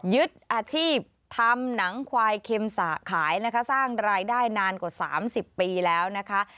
ยึดอาชีพทำหนังควายเค็มสะขายนะคะสร้างรายได้นานกว่า๓๐ปีแล้วนะคะ